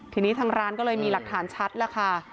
ทีนี้ทางร้านก็เลยมีหลักฐานชัดแล้วค่ะ